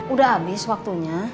udah abis waktunya